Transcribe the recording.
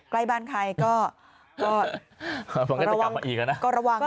ใกล้บ้านใครก็ระวังนะ